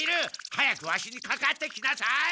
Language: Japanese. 早くワシにかかってきなさい！